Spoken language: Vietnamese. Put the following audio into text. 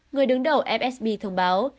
người đứng đầu fsb thông báo